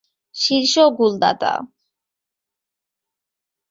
শীর্ষ গোলদাতা